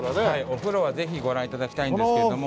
お風呂はぜひご覧頂きたいんですけれども。